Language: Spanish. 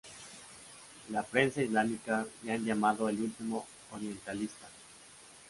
La prensa islámica le han llamado el último orientalista.